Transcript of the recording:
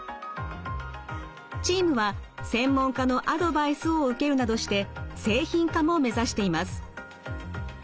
チームは専門家のアドバイスを受けるなどして製品化も目指しています。